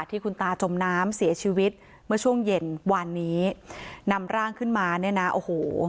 ที่คุณตาจมน้ำเสียชีวิตเมื่อช่วงเย็นวานนี้นำร่างขึ้นมาเนี่ยนะโอ้โห